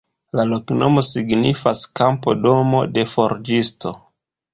La loknomo signifas: kampo-domo-de forĝisto.